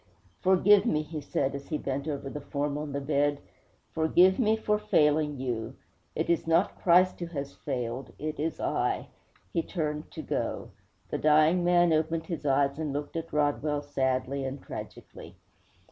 'Forgive me,' he said, as he bent over the form on the bed, 'forgive me for failing you. It is not Christ who has failed; it is I.' He turned to go. The dying man opened his eyes and looked at Rodwell sadly and tragically.